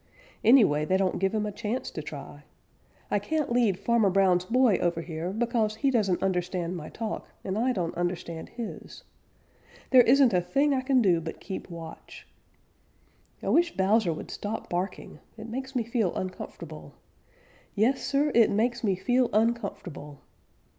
Anyway, they don't give him a chance to try. I can't lead Farmer Brown's boy over here because he doesn't understand my talk, and I don't understand his. There isn't a thing I can do but keep watch. I wish Bowser would stop barking. It makes me feel uncomfortable. Yes, Sir, it makes me feel uncomfortable.